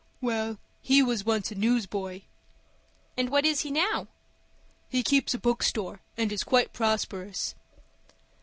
"Well, he was once a newsboy." "And what is he now?" "He keeps a bookstore, and is quite prosperous."